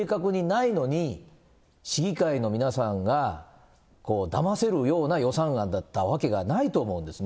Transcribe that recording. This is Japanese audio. その茶室が計画にないのに、市議会の皆さんがだませるような予算案だったわけがないと思うんですね。